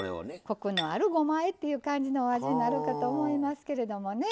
コクのあるごまあえという感じのお味になるかと思いますけれどもね。